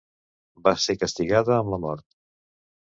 Va ser castigada amb la mort.